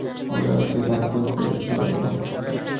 ওরা ওকে বাধ্য করেছিল।